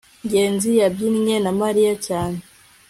ngenzi yabyinnye na mariya cyane